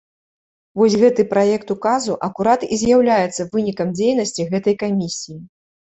Вось гэты праект указу акурат і з'яўляецца вынікам дзейнасці гэтай камісіі.